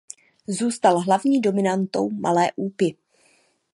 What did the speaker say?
Zůstal hlavní dominantou Malé Úpy.